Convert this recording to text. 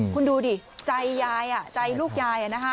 คุณดูดิใจยายใจลูกยาย